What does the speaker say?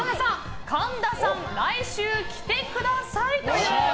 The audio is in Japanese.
神田さん、来週着てください！